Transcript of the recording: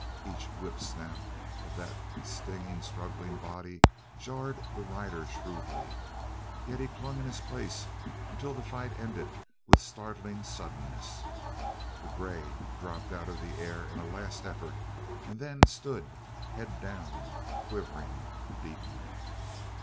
Each whip snap of that stinging struggling body jarred the rider shrewdly. Yet he clung in his place until the fight ended with startling suddenness. The grey dropped out of the air in a last effort and then stood head down, quivering, beaten.